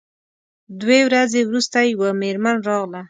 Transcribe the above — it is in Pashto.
دوې ورځې وروسته یوه میرمن راغله.